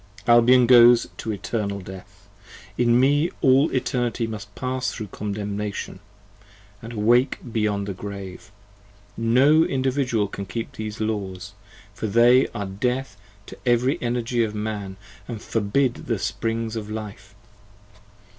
Albion goes to Eternal Death: In Me all Eternity 10 Must pass thro' condemnation, and awake beyond the Grave: individual can keep these Laws, for they are death To every energy of man, and forbid the springs of life.